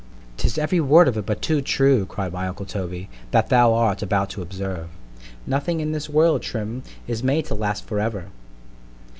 ——'Tis every word of it but too true, cried my uncle Toby, that thou art about to observe—— "_Nothing in this world, Trim, is made to last for ever.